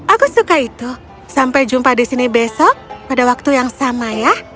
aku suka itu sampai jumpa di sini besok pada waktu yang sama ya